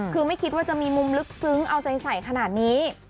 คือไม่คิดว่าจะมีมุมลึกซึ้งเอาใจใส่ขนาดนี้